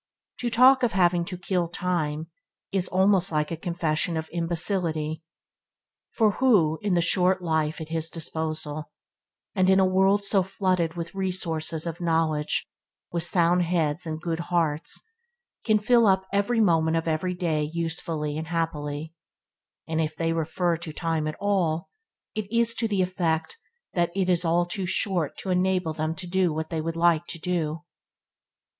To talk of having to "kill time" is almost like a confession of imbecility; for who, in the short life at his disposal, and in a world so flooded with resources of knowledge with sound heads and good hearts can fill up every moment of every day usefully and happily, and if they refer to time at all, it is to the effect that it is all too short to enable them to do all that they would like to do.